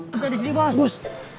kita disini bos